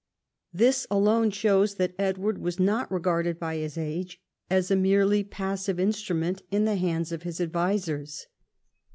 This alone shows that Edward was not regarded by his age as a merely passive instru ment in the hands of his advisers.